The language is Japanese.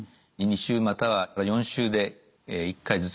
２週または４週で１回ずつですね